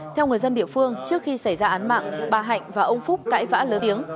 trước khi xảy ra án mạng bà hạnh và ông phúc cãi vã lớn tiếng